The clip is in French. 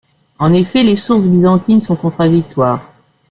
En effet, les sources byzantines sont contradictoires.